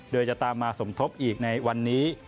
โดยจะตามมาสมทบอีกในวันนี้